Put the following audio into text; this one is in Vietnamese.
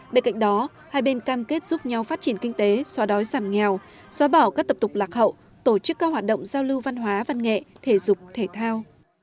bên cạnh đó hai bên cam kết giúp nhau phát triển kinh tế xóa đói giảm nghèo xóa bỏ các tập tục lạc hậu tổ chức các hoạt động giao lưu văn hóa văn nghệ thể dục thể thao